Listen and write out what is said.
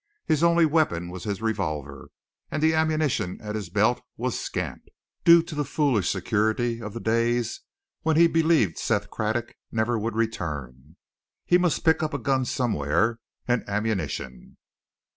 His only weapon was his revolver, and the ammunition at his belt was scant, due to the foolish security of the days when he believed Seth Craddock never would return. He must pick up a gun somewhere, and ammunition.